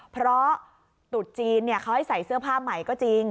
เพราะตุ๊ดจีนเขาให้ใส่เสื้อผ้าใหม่ก็จริง